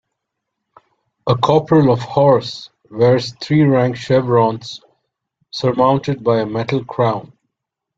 A corporal of horse wears three rank chevrons surmounted by a metal crown.